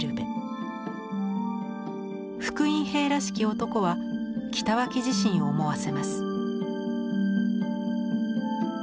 復員兵らしき男は北脇自身を思わせます。